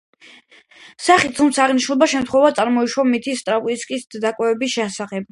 სახით, თუმცა, აღნიშნულმა შემთხვევამ წარმოშვა მითი სტრავინსკის დაკავების შესახებ.